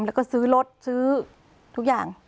แล้วก็ซื้อรถซื้อทุกอย่าง